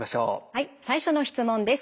はい最初の質問です。